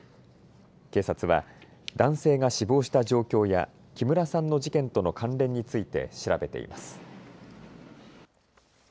警察は男性が死亡した状況や木村さんの事件との関連について調べています。